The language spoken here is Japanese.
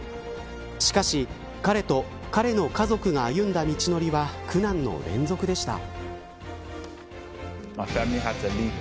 しかし、彼と彼の家族が歩んだ道のりは苦難の連続でした。